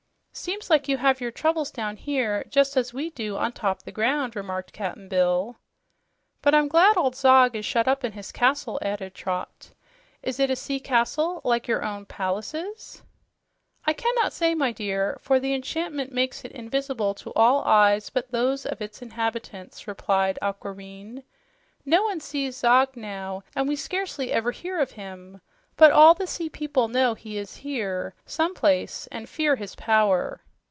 "Seems like you have your troubles down here just as we do on top the ground," remarked Cap'n Bill. "But I'm glad old Zog is shut up in his castle," added Trot. "Is it a sea castle like your own palace?" "I cannot say, my dear, for the enchantment makes it invisible to all eyes but those of its inhabitants," replied Aquareine. "No one sees Zog now, and we scarcely ever hear of him, but all the sea people know he is here someplace and fear his power.